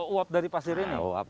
uap dari pasir ini